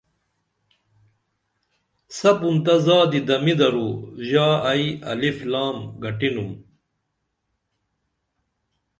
سپُن تہ زادی دمِی درو ژا ائی الیف لام گٹِنُم